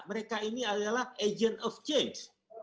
mereka ini adalah agent of change